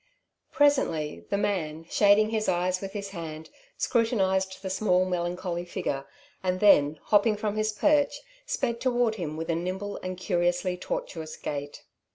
Presently the man, shading his eyes with his hand, scrutinized the small, melancholy figure, and then, hopping from his perch, sped toward him with a nimble and curiously tortuous gait.